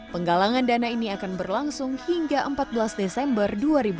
penggalangan dana ini akan berlangsung hingga empat belas desember dua ribu dua puluh